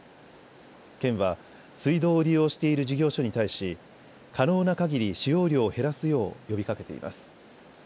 県は水道を利用している事業所に対し可能な限り使用量を減らすよう呼びかけています。